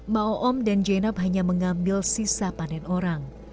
ma'oom dan jenab hanya mengambil sisa panen orang